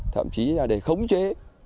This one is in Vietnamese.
thậm chí là để khống chế